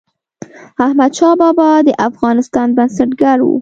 احمدشاه بابا د افغانستان بنسټګر و.